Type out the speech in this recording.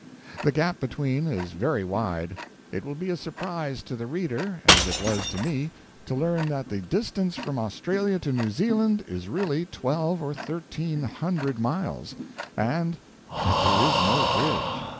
The gap between is very wide. It will be a surprise to the reader, as it was to me, to learn that the distance from Australia to New Zealand is really twelve or thirteen hundred miles, and that there is no bridge.